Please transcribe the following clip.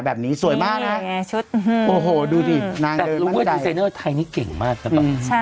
แบบนี้สวยมากนะชุดโอ้โหดูสินางเลยไทยนี้เก่งมากใช่ค่ะ